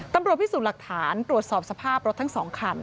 ตำรวจพิสูจน์หลักฐานตรวจสอบสภาพรถทั้ง๒คัน